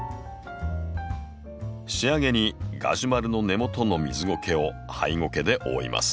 仕上げにガジュマルの根元の水ゴケをハイゴケで覆います。